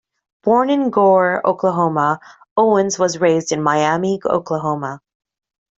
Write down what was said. Born in Gore, Oklahoma, Owens was raised in Miami, Oklahoma.